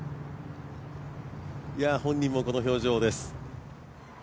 本人もこの表情です。